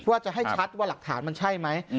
ว่าจะให้ชัดว่าหลักฐานมันใช่ไหม